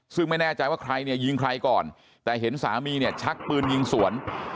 ซึ่งไม่แน่ใจว่าใครเนี่ยยิงใครก่อนแต่เห็นสามีเนี่ยชักปืนยิงสวน